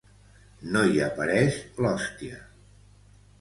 No hi apareix l'hòstia.